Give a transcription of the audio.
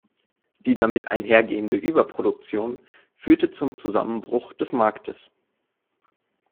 Die damit einhergehende Überproduktion führte zum Zusammenbruch des Marktes.